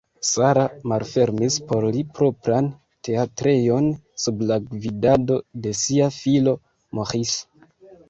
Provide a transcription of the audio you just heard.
Sarah malfermis por li propran teatrejon sub la gvidado de sia filo Maurice.